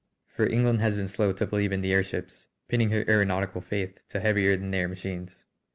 For England has been slow to believe in the airships, pinning her aëronautical faith to heavier than air machines.